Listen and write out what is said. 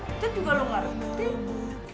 itu juga lu ngerti